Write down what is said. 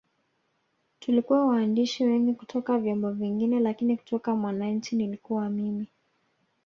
Tulikuwa waandishi wengi kutoka vyombo vingine lakini kutoka Mwananchi nilikuwa mimi